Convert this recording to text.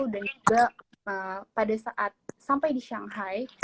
dan juga pada saat sampai di shanghai